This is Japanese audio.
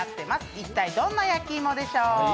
一体どんな焼き芋でしょう。